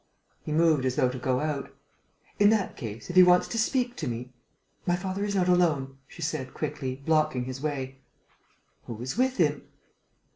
He moved as though to go out: "In that case, if he wants to speak to me...." "My father is not alone," she said, quickly, blocking his way. "Who is with him?"